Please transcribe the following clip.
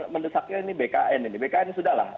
mendesaknya ini bkn ini bkn sudah lah